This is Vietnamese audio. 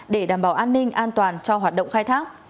để đảm bảo an ninh an toàn cho hoạt động khai thác